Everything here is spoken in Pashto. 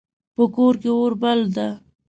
په کور کې اور بل ده